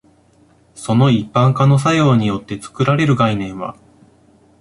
その一般化の作用によって作られる概念は、